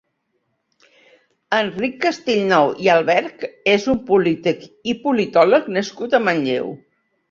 Enric Castellnou i Alberch és un polític i politòleg nascut a Manlleu.